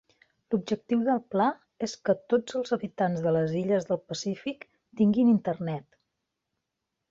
L'objectiu del pla és que tots els habitants de les illes del Pacífic tinguin internet.